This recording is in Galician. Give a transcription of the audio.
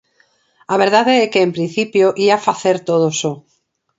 A verdade é que en principio ía facer todo só.